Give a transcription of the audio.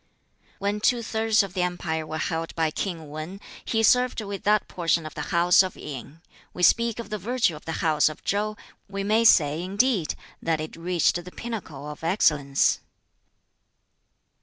"When two thirds of the empire were held by King Wan, he served with that portion the House of Yin. We speak of the virtue of the House of Chow; we may say, indeed, that it reached the pinnacle of excellence."